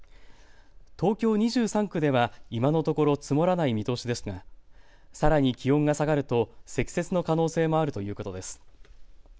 東京２３区では今のところ積もらない見通しですがさらに気温が下がると積雪の可能性もあるということです。